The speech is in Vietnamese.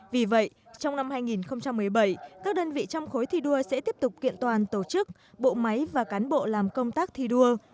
vì vậy trong năm hai nghìn một mươi bảy các đơn vị trong khối thi đua sẽ tiếp tục kiện toàn tổ chức bộ máy và cán bộ làm công tác thi đua